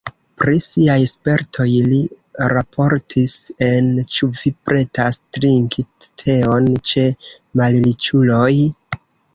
Pri siaj spertoj li raportis en "Ĉu vi pretas trinki teon ĉe malriĉuloj?".